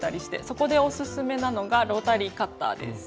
そこでオススメなのがロータリーカッターです。